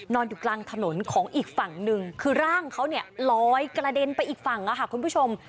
นอนอยู่กลางถนนของอีกฝั่งหนึ่งคือร่างเขาเนี่ยลอยกระเด็นไปอีกฝั่งค่ะคุณผู้ชม